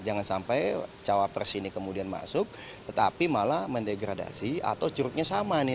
jangan sampai cawapres ini kemudian masuk tetapi malah mendegradasi atau curugnya sama nih